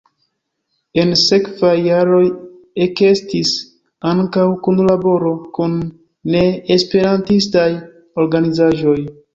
En sekvaj jaroj ekestis ankaŭ kunlaboro kun ne-esperantistaj organizaĵoj.